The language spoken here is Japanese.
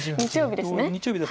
日曜日ですね。